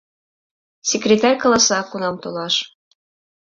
Секретарь каласа, кунам толаш.